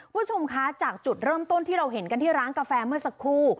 คุณผู้ชมคะจากจุดเริ่มต้นที่เราเห็นกันที่ร้านกาแฟเมื่อสักครู่